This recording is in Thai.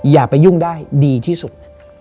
อย่าไปยุ่งได้ดีที่สุด